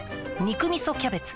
「肉みそキャベツ」